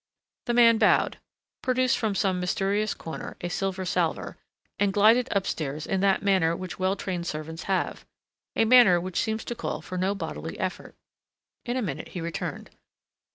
The man bowed, produced from some mysterious corner a silver salver and glided upstairs in that manner which well trained servants have, a manner which seems to call for no bodily effort. In a minute he returned.